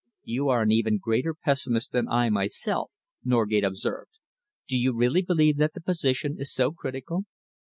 "You are an even greater pessimist than I myself," Norgate observed. "Do you really believe that the position is so critical?"